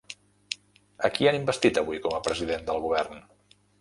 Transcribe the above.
A qui han investit avui com a president del govern?